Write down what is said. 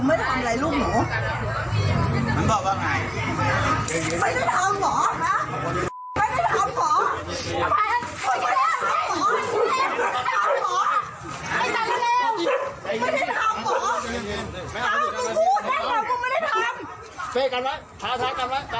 ไม่ได้ทำหรอ